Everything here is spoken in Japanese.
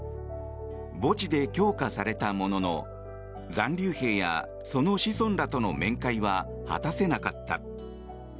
墓地で供花されたものの残留兵やその子孫らとの面会は果たせなかった。